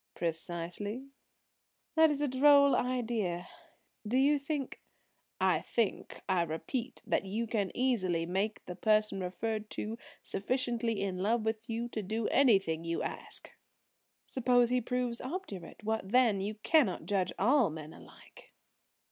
"Precisely." "That is a droll idea. Do you think–" "I think, I repeat, that you can easily make the person referred to sufficiently in love with you to do anything you ask." "Suppose he proves obdurate? What then? You cannot judge all men alike."